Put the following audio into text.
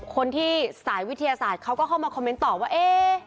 คนที่สายวิทยาศาสตร์เขาก็เข้ามาคอมเมนต์ต่อว่า